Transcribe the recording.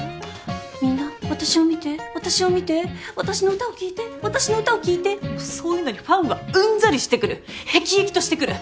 みんな私を見て私を見て私の歌を聴いて私の歌を聴いてもうそういうのにファンはうんざりしてくるへきえきとしてくる！